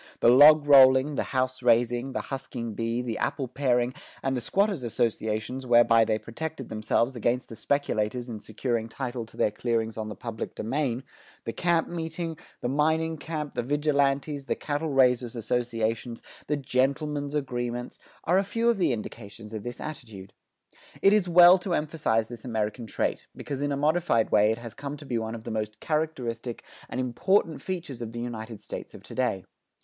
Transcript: The log rolling, the house raising, the husking bee, the apple paring, and the squatters' associations whereby they protected themselves against the speculators in securing title to their clearings on the public domain, the camp meeting, the mining camp, the vigilantes, the cattle raisers' associations, the "gentlemen's agreements," are a few of the indications of this attitude. It is well to emphasize this American trait, because in a modified way it has come to be one of the most characteristic and important features of the United States of to day.